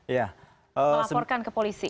melaporkan ke polisi